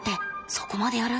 そこまでやる？